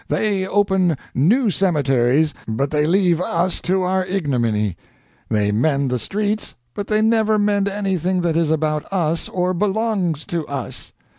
They open new cemeteries, but they leave us to our ignominy. They mend the streets, but they never mend anything that is about us or belongs to us.